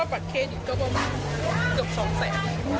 ขายยาวเมื่อกี่ปีแล้ว